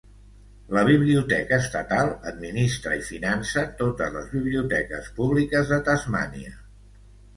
La Biblioteca estatal administra i finança totes les biblioteques públiques de Tasmània.